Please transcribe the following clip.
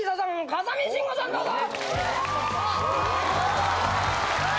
風見しんごさんどうぞ！